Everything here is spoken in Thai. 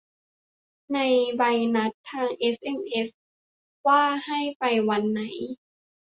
ได้ใบนัดทางเอสเอ็มเอส ว่าให้ไปวันไหน